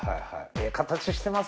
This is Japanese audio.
ええ形してます